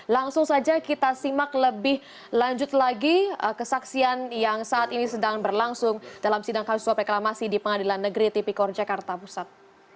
langsung saja kita simak lebih lanjut lagi kesaksian yang saat ini sedang berlangsung dalam sidang kasus suap reklamasi di pengadilan negeri tipikor jakarta pusat